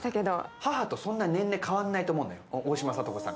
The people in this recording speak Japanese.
母とそんな年齢変わらないと思うのよ、大島さと子さん。